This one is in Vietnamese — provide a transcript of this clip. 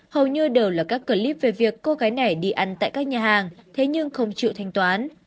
hầu như đều là các clip về việc cô gái này đi ăn tại các nhà hàng thế nhưng không chịu thanh toán